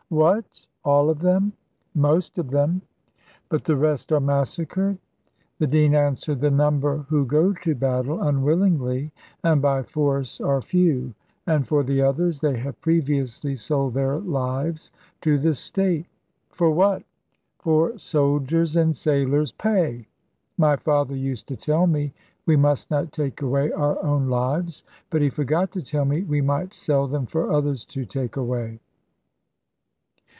"What! all of them?" "Most of them." "But the rest are massacred?" The dean answered, "The number who go to battle unwillingly, and by force, are few; and for the others, they have previously sold their lives to the state." "For what?" "For soldiers' and sailors' pay." "My father used to tell me, we must not take away our own lives; but he forgot to tell me we might sell them for others to take away."